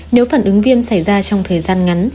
nếu phản ứng viêm xảy ra trong thời gian ngắn